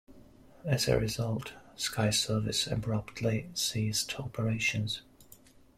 As a result, Skyservice abruptly ceased operations.